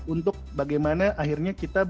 untuk bagaimana akhirnya kita